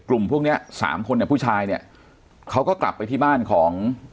กลุ่มพวกเนี้ยสามคนเนี่ยผู้ชายเนี่ยเขาก็กลับไปที่บ้านของ